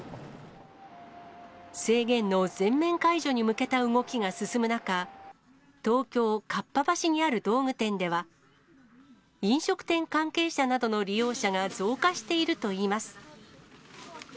制限の全面解除に向けた動きが進む中、東京・かっぱ橋にある道具店では、飲食店関係者などの利用会社が増加しているといいます。